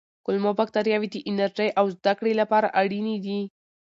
کولمو بکتریاوې د انرژۍ او زده کړې لپاره اړینې دي.